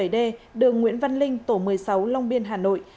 hai nghìn chín trăm linh bảy d đường nguyễn văn linh tổ một mươi sáu long biên hà nội